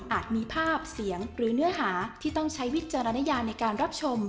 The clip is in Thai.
มีภาพเสียงหรือเนื้อหาที่ต้องใช้วิจารณญาในการรับชม